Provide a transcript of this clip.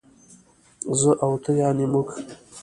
زه او ته يعنې موږ